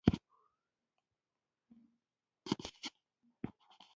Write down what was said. اساس یې له روښانفکرۍ سره تړلی وي.